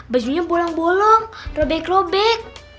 bajunya bolong bolong robek robek